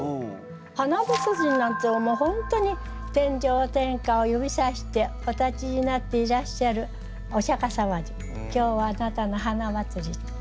花まつりなんてもう本当に「天上天下を指さしてお立ちになっていらっしゃるお釈様に今日はあなたの花まつり」。